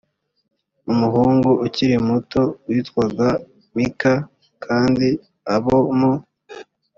umuhungu ukiri muto witwaga mika kandi abo mu